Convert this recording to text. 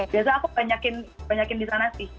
biasanya aku banyakin di sana sih